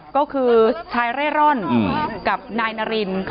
ก็คือชายเร่ร่อนกับนายนาริน